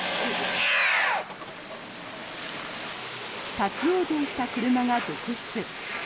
立ち往生した車が続出。